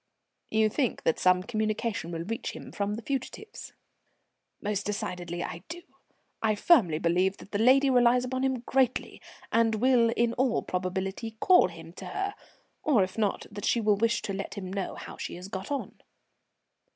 "You think that some communication will reach him from the fugitives?" "Most decidedly I do. I firmly believe that the lady relies upon him greatly, and will in all probability call him to her, or if not that she will wish to let him know how she has got on."